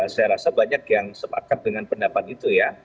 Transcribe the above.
saya rasa banyak yang sepakat dengan pendapat itu ya